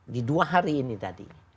di dua hari ini tadi